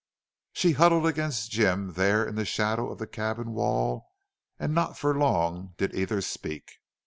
She huddled against Jim there in the shadow of the cabin wall, and not for long did either speak.